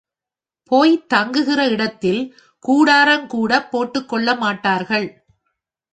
போய்த் தங்குகிற இடத்தில் கூடாரங்கூடப் போட்டுக்கொள்ள மாட்டார்கள்.